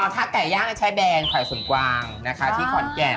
อ๋อถ้าไก่ย่างใช้แบงไข่ส่วนกว้างนะคะที่ขอนแก่ง